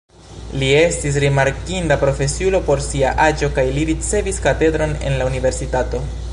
Li estis rimarkinda profesiulo por sia aĝo kaj li ricevis katedron en la universitato.